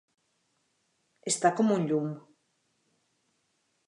Està com un llum.